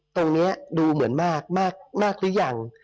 ตรงนี้ดูเหมือนมากหรือยัง